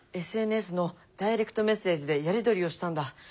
ＳＮＳのダイレクトメッセージでやり取りをしたんだ。